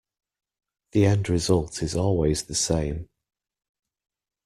The end result is always the same.